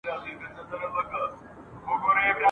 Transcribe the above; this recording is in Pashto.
د نن سبا په ځينو وحشي قبايلو کي